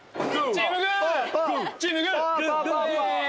チームグー！